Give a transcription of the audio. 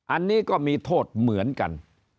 อันนี้ก็มีโทษเหมือนกัน